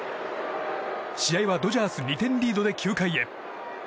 試合はドジャース２点リードで９回へ。